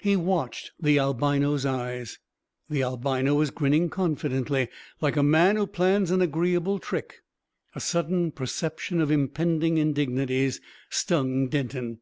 He watched the albino's eyes. The albino was grinning confidently, like a man who plans an agreeable trick. A sudden perception of impending indignities stung Denton.